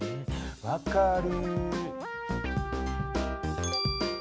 分かる。